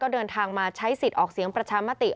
เดินทางมาใช้สิทธิ์ออกเสียงประชามติ